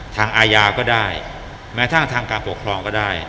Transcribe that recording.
ทางอาญาก็ได้แม้ทางการปกครองก็ได้